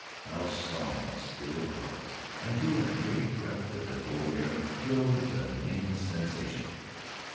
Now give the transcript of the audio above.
How solemn and still it was! I drew in a great breath of the cold air, and thrilled with a nameless sensation.